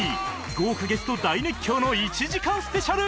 豪華ゲスト大熱狂の１時間スペシャル！